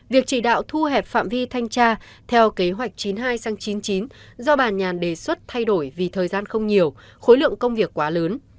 việc chỉ đạo thu hẹp phạm vi thanh tra theo kế hoạch chín mươi hai sang chín mươi chín do bà nhàn đề xuất thay đổi vì thời gian không nhiều khối lượng công việc quá lớn